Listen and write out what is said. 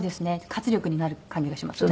活力になる感じがしますね。